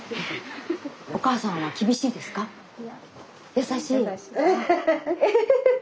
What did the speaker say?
優しい？